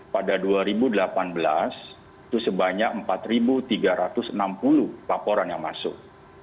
pada dua ribu delapan belas itu sebanyak empat tiga ratus enam puluh laporan yang masuk